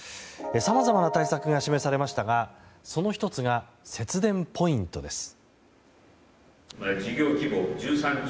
さまざまな対策が示されましたがその１つが、節電ポイントです。